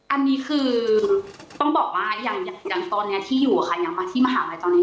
อันนี้คือต้องบอกว่าอย่างตอนนี้ที่อยู่ค่ะยังมาที่มหาลัยตอนนี้